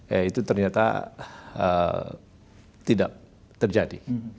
ya itu ternyata tidak terjadi